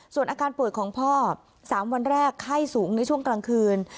ส่วนอาการป่วยของพ่อ๓วันแรกไข้สูงในช่วงกลางคืน